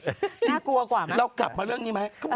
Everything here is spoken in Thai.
น่ากลัวกว่าไหมแล้วกลับมาเรื่องนี้ไหม